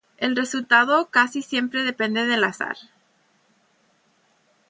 El resultado casi siempre depende del azar.